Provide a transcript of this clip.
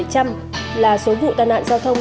hơn một bảy trăm linh là số vụ đàn ạn giao thông